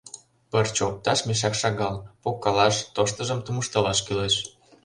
Пырче опташ мешак шагал — погкалаш, тоштыжым тумыштылаш кӱлеш.